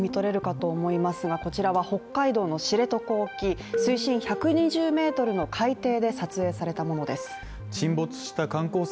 「ＫＡＺＵ１」と読み取れるかと思いますがこちらは北海道の知床沖水深１２０ｍの海底で撮影されたものです。